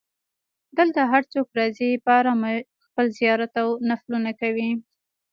دلته هر څوک راځي په ارامه خپل زیارت او نفلونه کوي.